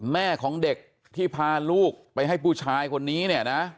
แม่ของเด็กที่พาลูกไปให้ผู้ชายคนนี้เนี่ยนะ